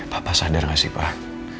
papa sadar gak sih pak